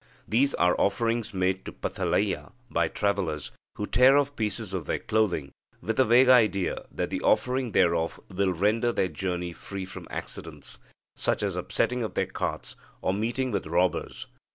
These are offerings made to Pathalayya by travellers, who tear off pieces of their clothing with a vague idea that the offering thereof will render their journey free from accidents, such as upsetting of their carts, or meeting with robbers.